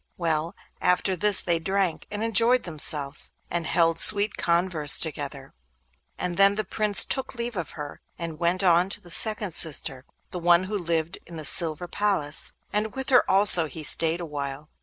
Well, after this they drank, and enjoyed themselves, and held sweet converse together, and then the Prince took leave of her, and went on to the second sister, the one who lived in the silver palace, and with her also he stayed awhile.